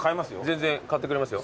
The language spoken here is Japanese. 全然買ってくれますよ。